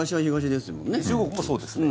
中国もそうですね。